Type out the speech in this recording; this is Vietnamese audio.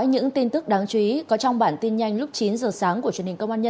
hãy đăng ký kênh để ủng hộ kênh của chúng mình nhé